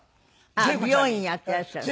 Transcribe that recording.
あっ美容院やっていらっしゃる。